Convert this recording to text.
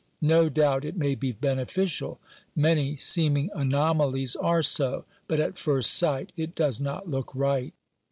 No doubt it may be beneficial; many seeming anomalies are so, but at first sight it does not look right.